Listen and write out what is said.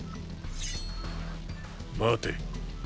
待て。